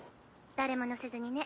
誰も乗せずにね。